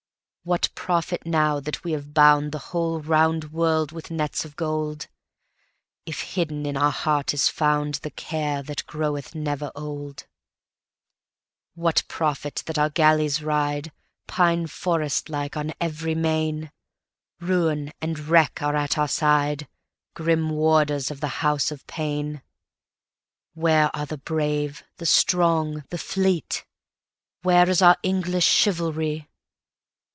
What profit now that we have boundThe whole round world with nets of gold, If hidden in our heart is foundThe care that groweth never old? What profit that our galleys ride, Pine forest like, on every main? Ruin and wreck are at our side, Grim warders of the House of pain. Where are the brave, the strong, the fleet? Where is our English chivalry?